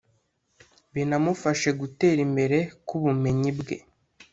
binamufashe gutera imbere k’ubumenyi bwe